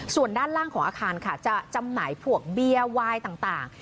ส่วนด้านล่างของอาคารค่ะจะจำหน่ายพวกเบียร์วายต่าง